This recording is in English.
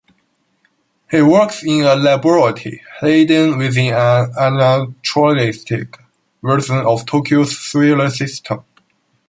He works in a laboratory hidden within an anachronistic version of Tokyo's sewer system.